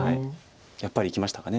やっぱりいきましたか。